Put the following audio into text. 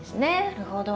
なるほど。